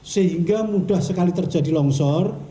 sehingga mudah sekali terjadi longsor